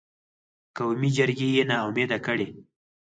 قومي جرګې یې نا امیده کړې.